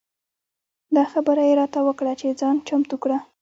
دا خبره یې راته وکړه چې ځان چمتو کړه.